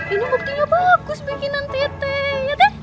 ini buktinya bagus bikinan teh teh ya teh